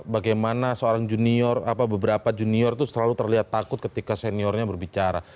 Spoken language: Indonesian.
bagaimana seorang junior beberapa junior itu selalu terlihat takut ketika seniornya berbicara